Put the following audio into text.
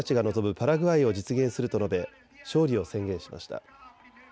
パラグアイを実現すると述べ勝利を宣言しました。